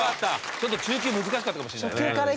ちょっと中級難しかったかもしれないね。